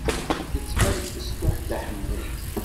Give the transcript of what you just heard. Yettban-d besṭuḥ Dda Ḥemmu.